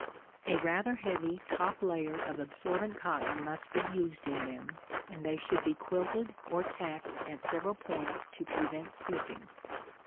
A rather heavy top layer of absorbent cotton must be used in them, and they should be quilted or tacked at several points to prevent slipping.